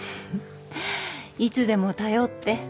いつでも頼って。